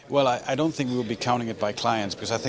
saya tidak berpikir kita akan menghitungnya oleh klien